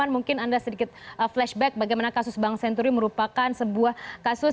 mungkin anda sedikit flashback bagaimana kasus bank senturi merupakan sebuah kasus